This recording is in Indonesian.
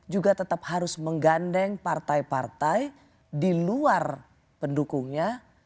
juga tetap harus menggandeng partai partai di luar pendukungnya